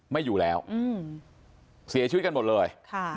ไม่อยู่แล้วเสียชีวิตกันหมดเลย